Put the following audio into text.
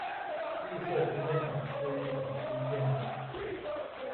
丽色军舰鸟是一种军舰鸟。